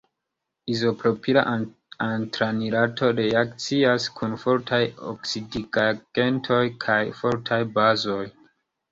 Izopropila antranilato reakcias kun fortaj oksidigagentoj kaj fortaj bazoj.